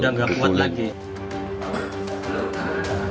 udah nggak kuat lagi